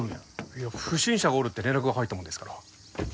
いや不審者がおるって連絡が入ったもんですから。